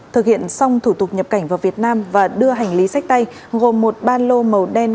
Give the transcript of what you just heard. thực hiện xong thủ tục nhập cảnh vào việt nam và đưa hành lý sách tay gồm một ban lô màu đen